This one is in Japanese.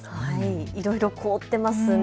いろいろ凍っていますね。